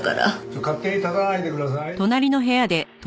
勝手に立たないでください。